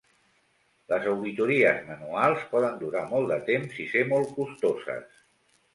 Les auditories manuals poden durar molt de temps i ser molt costoses.